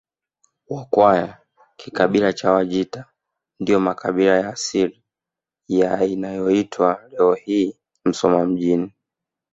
Wakwaya kikabila cha Wajita ndiyo makabila ya asili ya inayoitwa leo hii Musoma mjini